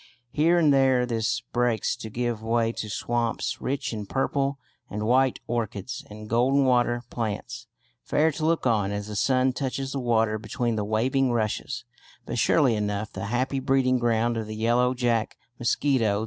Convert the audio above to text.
Here and there this breaks to give way to swamps, rich in purple and white orchids and golden water plants, fair to look on as the sun touches the water between the waving rushes, but surely enough the happy breeding ground of the "Yellow Jack" mosquito.